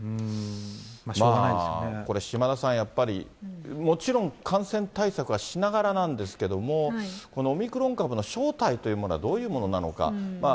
これ、島田さん、やっぱりもちろん感染対策はしながらなんですけども、このオミクロン株の正体っていうものはどういうものなのか。